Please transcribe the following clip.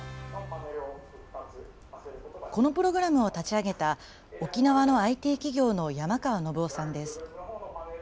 このプログラムを立ち上げた、沖縄のＩＴ企業の山川伸夫さんです。